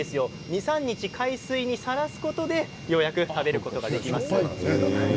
２、３日海水にさらすことでようやく食べることができるんです。